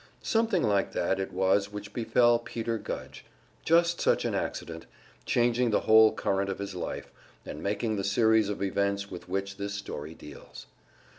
Something like that it was which befell Peter Gudge; just such an accident, changing the whole current of his life, and making the series of events with which this story deals.